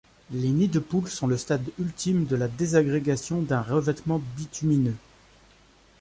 Les nids-de-poule sont le stade ultime de la désagrégation d'un revêtement bitumineux.